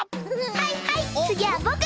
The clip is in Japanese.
はいはいつぎはぼく！